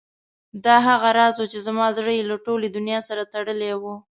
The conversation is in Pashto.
دا هغه راز و چې زما زړه یې له ټولې دنیا سره تړلی و.